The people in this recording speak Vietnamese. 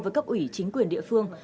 với cấp ủy chính quyền địa phương